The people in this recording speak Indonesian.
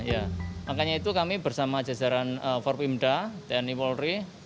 makanya itu kami bersama jajaran forbimda tni polri